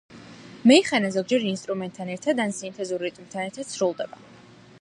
მეიხანა ზოგჯერ ინსტრუმენტთან ერთად ან სინთეზურ რიტმთან ერთად სრულდება.